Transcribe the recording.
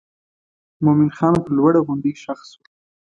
مومن خان پر لوړه غونډۍ ښخ شو.